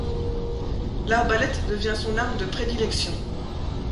L'arbalète devient son arme de prédilection.